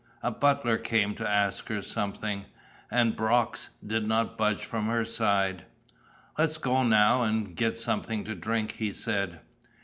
A butler came to ask her something. And Brox did not budge from her side. "Let's go now and get something to drink," he said.